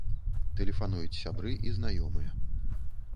Тэлефануюць сябры і знаёмыя.